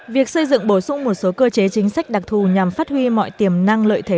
việc xây dựng bổ sung một số cơ chế chính sách đặc thù nhằm phát huy mọi tiềm năng lợi thế